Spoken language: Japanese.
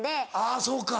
あぁそうか。